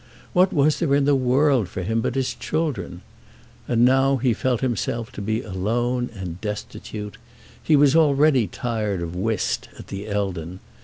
What was there in the world for him but his children? And now he felt himself to be alone and destitute. He was already tired of whist at the Eldon.